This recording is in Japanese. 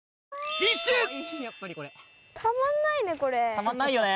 たまんないよね！